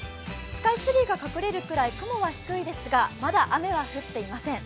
スカイツリーが隠れるぐらい雲は低いんですが、まだ雨は降っていません。